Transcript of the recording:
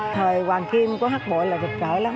thời hoàng kim có hát bội là rực rỡ lắm